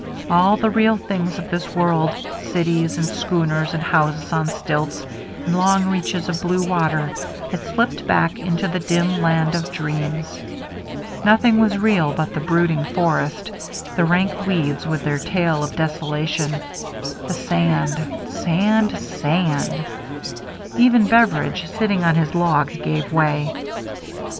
All the real things of this world, cities and schooners and houses on stilts and long reaches of blue water, had slipped back into the dim land of dreams. Nothing was real but the brooding forest, the rank weeds with their tale of desolation, the sand — sand — sand. Even Beveridge, sitting on his log, gave way.